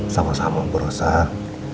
sama sama bu rosar